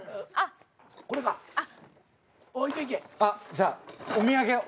じゃあお土産を。